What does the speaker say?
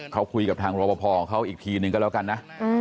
เขาคุยกับทางรอปภของเขาอีกทีหนึ่งก็แล้วกันนะ